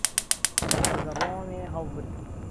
له عەرزهڕۆمێ ههڵ برد